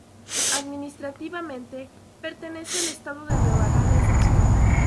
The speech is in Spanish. Administrativamente, pertenece al estado de Nueva Gales del Sur.